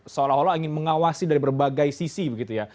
seolah olah ingin mengawasi dari berbagai sisi begitu ya